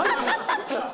ハハハハ！